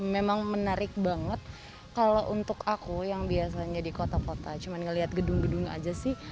memang menarik banget kalau untuk aku yang biasanya di kota kota cuma ngeliat gedung gedung aja sih